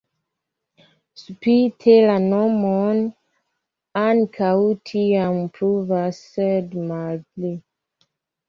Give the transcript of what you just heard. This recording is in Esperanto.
Spite la nomon ankaŭ tiam pluvas, sed malpli.